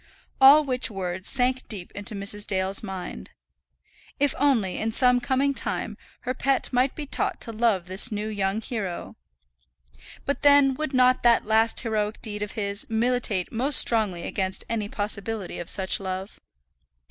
All which words sank deep into Mrs. Dale's mind. If only, in some coming time, her pet might be taught to love this new young hero! But then would not that last heroic deed of his militate most strongly against any possibility of such love!